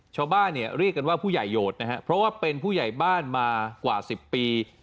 ชาวบ้านเนี่ยเรียกกันว่าผู้ใหญ่โหดนะครับเพราะว่าเป็นผู้ใหญ่บ้านมากว่า๑๐ปี